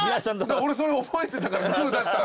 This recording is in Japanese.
俺それ覚えてたからグー出したら。